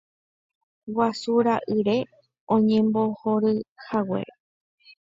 Guasu ra'ýre oñembohoryhaguére.